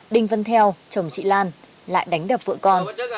đinh văn theo chồng chị lan lại đánh đập vợ con